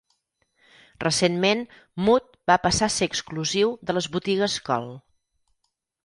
Recentment, Mudd va passar a ser exclusiu de les botigues Kohl.